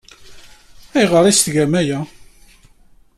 Ayɣer ay la tettgem aya?